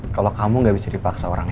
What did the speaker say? kalo kamu gak bisa dipaksa orangnya